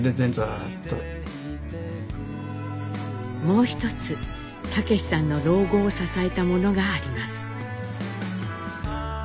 もう一つ武さんの老後を支えたものがあります。